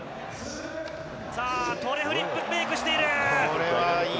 さあ、トレフリップメイクしている。